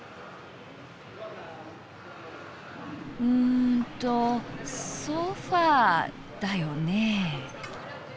うんとソファーだよねぇ！